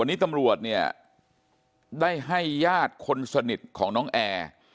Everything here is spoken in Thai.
วันนี้ตำรวจเนี่ยได้ให้ญาติคนสนิทของน้องแอร์